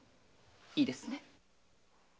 いいですね。